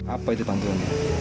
apa itu bantuan